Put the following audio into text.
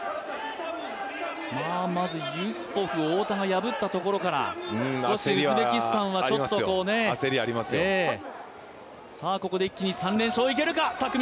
まずユスポフを太田が破ったところからウズベキスタンはちょっと、こうここで一気に３連勝いけるか。